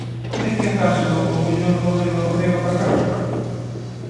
¿É que acaso o mellor modelo é o catalán?